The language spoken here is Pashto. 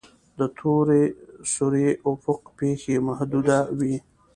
د تور سوري افق پیښې محدوده وي.